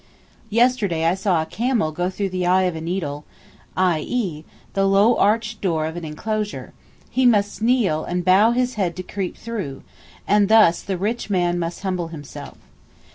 Yesterday I saw a camel go through the eye of a needle—i.e., the low arched door of an enclosure; he must kneel and bow his head to creep through—and thus the rich man must humble himself.